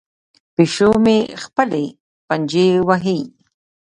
پیشو مې خپلې پنجې وهي.